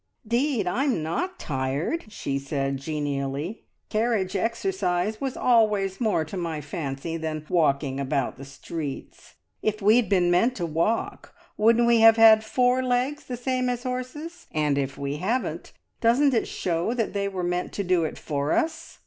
"'Deed I'm not tired," she said genially. "Carriage exercise was always more to my fancy than walking about the streets. If we'd been meant to walk, wouldn't we have had four legs the same as the horses, and if we haven't, doesn't it show that they were meant to do it for us?